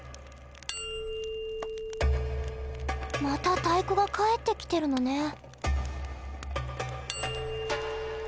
また太鼓が返ってきてるのね。